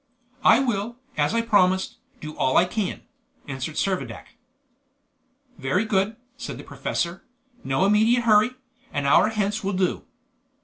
"I will, as I promised, do all I can," answered Servadac. "Very good," said the professor. "No immediate hurry; an hour hence will do."